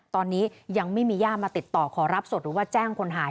ตอนนี้ยังไม่มีย่ามาติดต่อขอรับศพหรือว่าแจ้งคนหาย